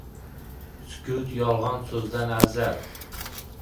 • Sukut yolg‘on so‘zdan afzal.